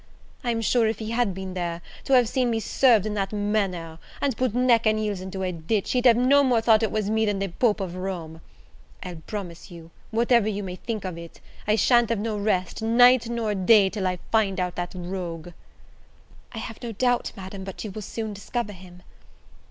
I'm sure, if he had been there, to have seen me served in that manner, and put neck and heels into a ditch, he'd no more have thought it was me than the Pope of Rome. I'll promise you, whatever you may think of it, I sha'n't have no rest, night nor day, till I find out that rogue." "I have no doubt, Madam, but you will soon discover him."